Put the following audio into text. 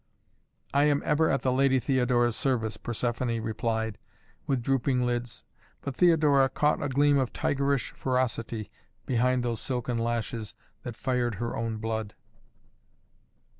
"I am ever at the Lady Theodora's service," Persephoné replied, with drooping lids, but Theodora caught a gleam of tigerish ferocity beneath those silken lashes that fired her own blood.